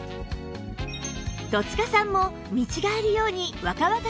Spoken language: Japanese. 戸塚さんも見違えるように若々しい印象に